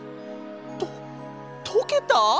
ととけた！？